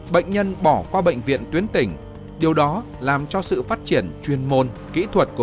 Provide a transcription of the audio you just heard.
bệnh nhân bỏ qua bệnh viện tuyến tỉnh điều đó làm cho sự phát triển chuyên môn kỹ thuật của